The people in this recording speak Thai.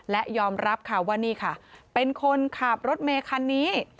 และยอมรับค่ะว่านี่ค่ะเป็นคนขับรถเมคันนี้